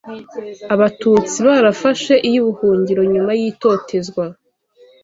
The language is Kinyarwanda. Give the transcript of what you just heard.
Abatutsi barafashe iy’ubuhungiro nyuma y’itotezwa